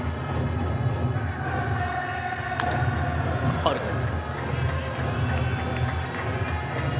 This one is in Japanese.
ファウルです。